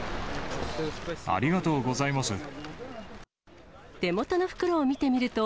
ありがとうございます。